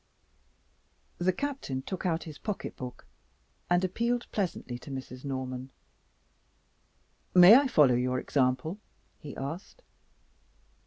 The Captain took out his pocketbook, and appealed pleasantly to Mrs. Norman. "May I follow your example?" he asked.